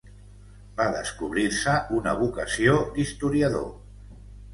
Va descobrir-se una vocació d'historiador.